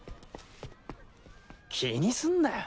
気にすんなよ。